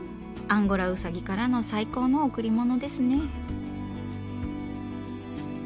アンゴラウサギからの最高の贈り物ですね。